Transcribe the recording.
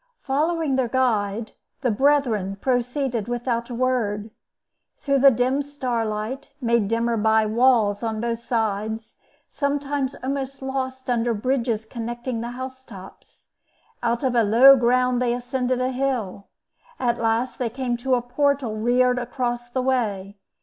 Following their guide, the brethren proceeded without a word. Through the dim starlight, made dimmer by the walls on both sides, sometimes almost lost under bridges connecting the house tops, out of a low ground they ascended a hill. At last they came to a portal reared across the way.